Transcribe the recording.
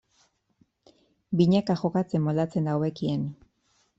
Binaka jokatzen moldatzen da hobekien.